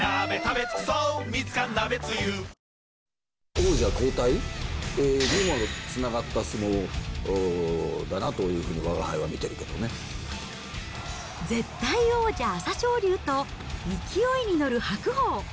王者交代にもつながった相撲だなというふうにわがはいは見て絶対王者、朝青龍と、勢いに乗る白鵬。